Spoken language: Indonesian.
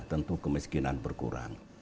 tentu kemiskinan berkurang